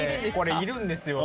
いるんですよ。